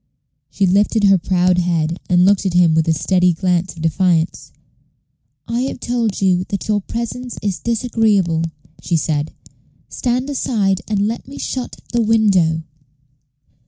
She lifted her proud head, and looked at him with a steady glance of defiance. "I have told you that your presence is disagreeable," she said. "Stand aside, and let me shut the window."